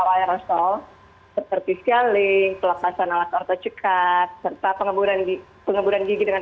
wayaroso seperti scaling kelepasan alat ortocikat serta pengemburan di pengemburan gigi dengan